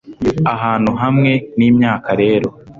ahantu hamwe n'imyaka rero